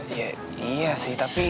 iya sih tapi